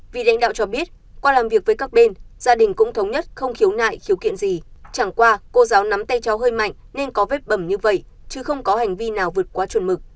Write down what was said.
vị lãnh đạo cho biết qua làm việc với các bên gia đình cũng thống nhất không khiếu nại khiếu kiện gì chẳng qua cô giáo nắm tay cháu hơi mạnh nên có vết bầm như vậy chứ không có hành vi nào vượt qua chuẩn mực